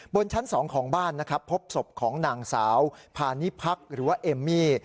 บนชั้น๒ของบ้านนะครับพบศพของนางสาวพานิพักษ์หรือว่าเอมมี่